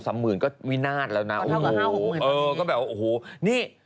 สามหมื่นก็วินาทแล้วนะโอ้โหก็แบบโอ้โหนี่